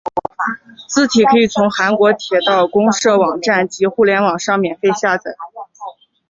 字体可以从韩国铁道公社网站及互联网上免费下载。